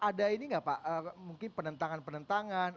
ada ini nggak pak mungkin penentangan penentangan